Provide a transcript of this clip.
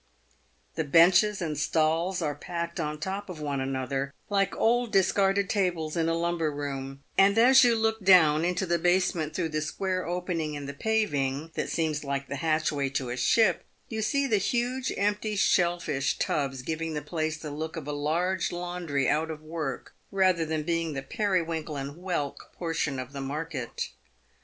The benches and stalls are packed on top of one another, like old discarded tables in a lumber room ; and as you look down into the basement through the square opening in the paving, that seems like the hatchway to a ship, you see the huge empty shell fish tubs, giving the place the look of a large laundry out of work, rather than being the periwinkle and whelk portion of the market.